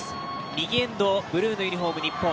右エンド、ブルーのユニフォーム、日本。